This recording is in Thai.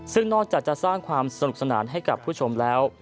ซึ่งนอกจากจะสร้างความสนุกสนานให้กับผู้ชมแล้ว